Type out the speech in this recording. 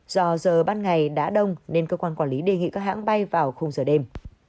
do giờ ban ngày đã đông nên cơ quan quản lý đề nghị các hãng bay vào khung giờ đêm